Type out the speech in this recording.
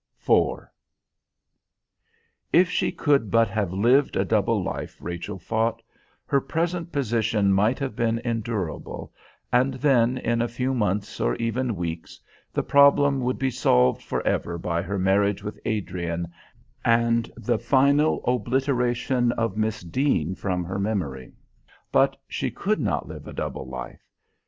IV If she could but have lived a double life, Rachel thought, her present position might have been endurable, and then, in a few months or even weeks, the problem would be solved for ever by her marriage with Adrian and the final obliteration of Miss Deane from her memory. But she could not live a double life.